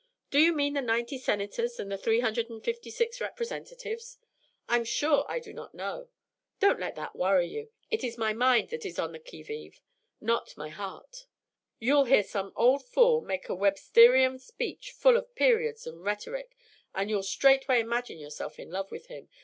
"Do you mean the ninety Senators and the three hundred and fifty six Representatives? I am sure I do not know. Don't let that worry you. It is my mind that is on the qui vive, not my heart." "You'll hear some old fool make a Websterian speech full of periods and rhetoric, and you'll straight way imagine yourself in love with him.